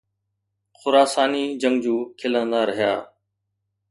خراساني جنگجو کلندا رهيا.